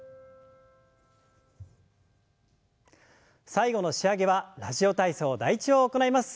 最後の仕上げは「ラジオ体操第１」を行います。